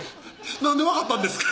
「なんで分かったんですか？」